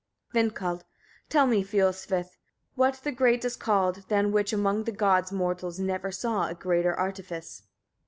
Vindkald. 10. Tell me, Fiolsvith! etc., what the grate is called, than which among the gods mortals never saw a greater artifice?